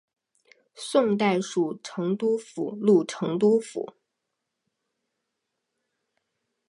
宋代属成都府路成都府。